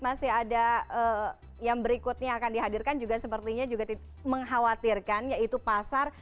masih ada yang berikutnya akan dihadirkan juga sepertinya juga mengkhawatirkan yaitu pasar